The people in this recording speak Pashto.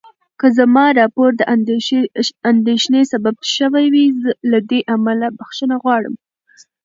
که زما راپور د اندېښنې سبب شوی وي، له دې امله بخښنه غواړم.